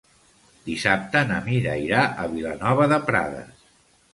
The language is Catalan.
Dissabte na Mira irà a Vilanova de Prades.